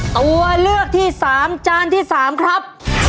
ตัวเลือกที่๓จานที่๓ครับ